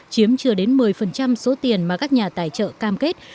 chiếm chưa đến một mươi số tiền mà các nhà tài trợ cam kết